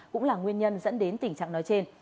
cũng là nguyên nhân dẫn đến tình trạng nói trên